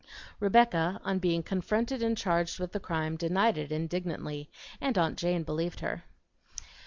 Rebecca, on being confronted and charged with the crime, denied it indignantly, and aunt Jane believed her.